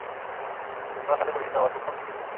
আপনার সাথে পরিচিত হবার খুব শখ ছিল।